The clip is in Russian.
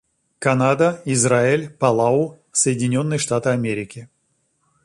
Канада, Израиль, Палау, Соединенные Штаты Америки.